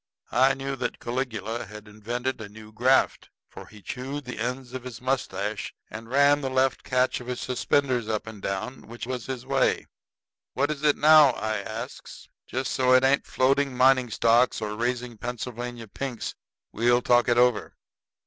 I knew that Caligula had invented a new graft. For he chewed the ends of his mustache and ran the left catch of his suspenders up and down, which was his way. "What is it now?" I asks. "Just so it ain't floating mining stocks or raising Pennsylvania pinks, we'll talk it over."